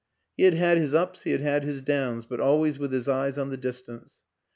He had had his ups, he had had his downs but always with his eyes on the distance.